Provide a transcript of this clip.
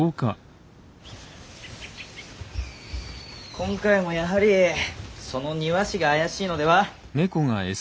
今回もやはりその庭師が怪しいのでは？